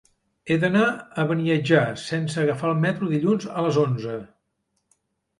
He d'anar a Beniatjar sense agafar el metro dilluns a les onze.